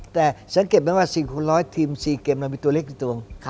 แต่สังเกตนี้ว่า๔๖๐๐ทีม๔เกมมันมีตัวเล็กที่ตรง